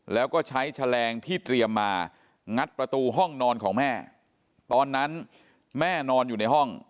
แล้วก็ใช้แฉลงที่เตรียมมางัดประตูห้องนอนของแม่ตอนนั้นแม่นอนอยู่ในห้อง